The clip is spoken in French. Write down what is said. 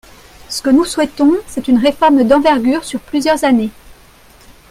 Ce que nous souhaitons, c’est une réforme d’envergure sur plusieurs années.